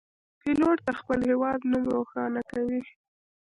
پیلوټ د خپل هیواد نوم روښانه کوي.